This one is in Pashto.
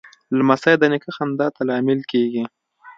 لمسی د نیکه خندا ته لامل کېږي.